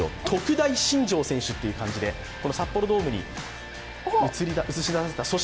特大新庄選手という感じで、札幌ドームに映し出された。